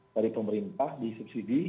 dari pemerintah disubsidi